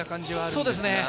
そうですね